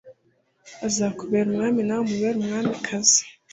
azakubera umwami nawe umubere umwamikazi